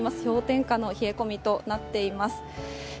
氷点下の冷え込みとなっています。